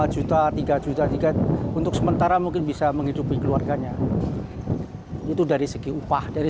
dua juta tiga juta tiga untuk sementara mungkin bisa menghidupi keluarganya itu dari segi upah dari